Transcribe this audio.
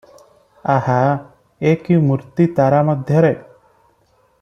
ଆହା! ଏ କି ମୂର୍ତ୍ତି ତାରା ମଧ୍ୟରେ?